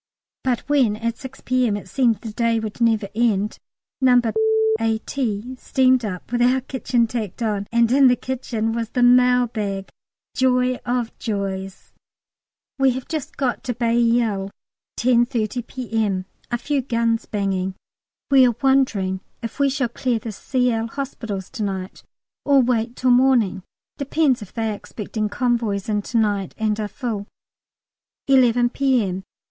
But when at 6 P.M. it seemed the day would never end, No. A.T. steamed up with our kitchen tacked on, and in the kitchen was the mail bag joy of joys! We have just got to Bailleul, 10.30 P.M.: a few guns banging. We are wondering if we shall clear the Cl. hospitals to night or wait till morning: depends if they are expecting convoys in to night and are full. 11 P.M.